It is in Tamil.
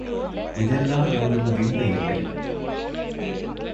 இதெல்லாம் ஒன்றும் விந்தை இல்லை.